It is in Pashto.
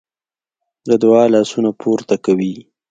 د دعا لاسونه پورته کوي.